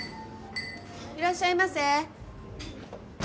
いらっしゃいませ。